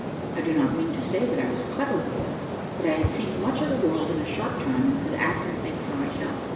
I do not mean to say that I was a clever boy; but I had seen much of the world in a short time, and could act and think for myself.